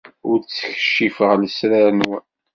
Ur d-ttkeccifeɣ ara lesrar-nwen.